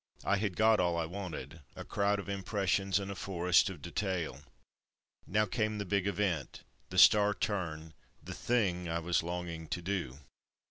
I had got all I wanted, a crowd of impressions and a forest of detail. Now came the big event, the star turn, the thing I was longing to do.